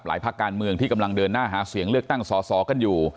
ภาคการเมืองที่กำลังเดินหน้าหาเสียงเลือกตั้งสอสอกันอยู่